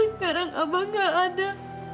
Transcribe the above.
sekarang abah gak ada